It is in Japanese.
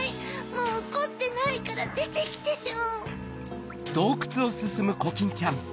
もうおこってないからでてきてよ。